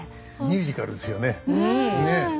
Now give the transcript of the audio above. ミュージカルですよねねえ。